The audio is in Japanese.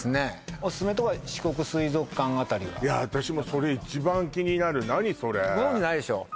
オススメのとこは四国水族館あたりは私もそれ一番気になる何それご存じないでしょ